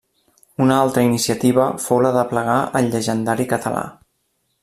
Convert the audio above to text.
Una altra iniciativa fou la d’aplegar el Llegendari català.